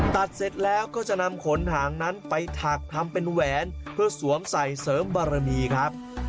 เสร็จแล้วก็จะนำขนหางนั้นไปถักทำเป็นแหวนเพื่อสวมใส่เสริมบารมีครับ